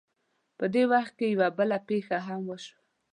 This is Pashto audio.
په دې وخت کې یوه بله پېښه هم وشوه.